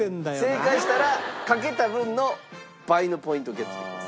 正解したらかけた分の倍のポイントをゲットできます。